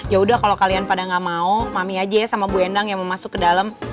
ya udah kalau kalian pada gak mau mami aja ya sama bu endang yang mau masuk ke dalam